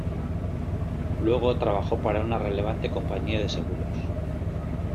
Luego trabajó para una relevante compañía de seguros.